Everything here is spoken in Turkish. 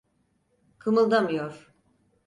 Kımıldamıyor.